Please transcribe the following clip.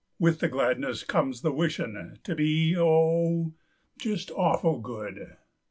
With the gladness comes the wishin' To be, oh, just awful good!